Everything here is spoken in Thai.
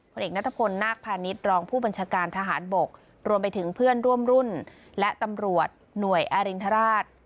เอกนัทพลนาคพาณิชย์รองผู้บัญชาการทหารบกรวมไปถึงเพื่อนร่วมรุ่นและตำรวจหน่วยอรินทราช